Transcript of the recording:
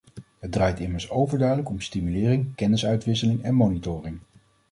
Het draait immers overduidelijk om stimulering, kennisuitwisseling en monitoring.